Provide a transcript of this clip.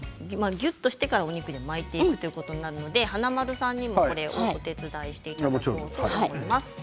ぎゅっとしてからお肉で巻いていくということになりますので華丸さんにも、お手伝いをしていただきたいと思います。